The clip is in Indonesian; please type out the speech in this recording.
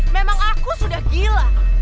memang aku sudah gila